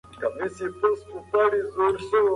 زه به ستا د راتلونکي پیغام په انتظار یم.